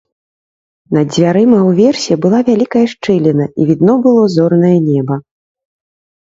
Над дзвярыма ўверсе была вялікая шчыліна, і відно было зорнае неба.